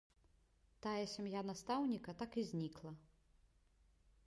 Тая сям'я настаўніка так і знікла.